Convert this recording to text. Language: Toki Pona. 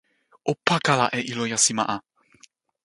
o pakala e ilo jasima a!